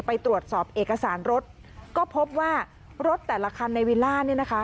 ไปตรวจสอบเอกสารรถก็พบว่ารถแต่ละคันในวีล่า